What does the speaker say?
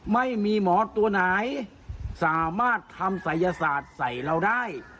ไม่มีหมอตัวไหนสามารถทำศัยศาสตร์ใส่เราได้